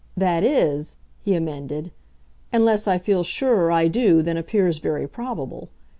That is," he amended, "unless I feel surer I do than appears very probable.